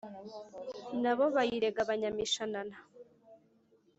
na bo bayirega Abanyamishanana;